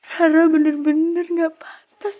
rara bener bener gak patah